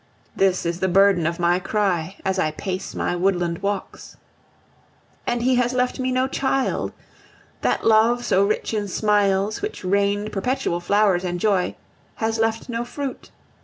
This is the burden of my cry as I pace my woodland walks. And he has left me no child! That love so rich in smiles, which rained perpetual flowers and joy, has left no fruit.